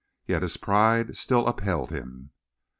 Yet his pride still upheld him.